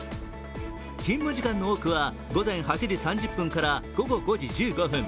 勤務時間の多くは午前８時３０分から午後５時１５分。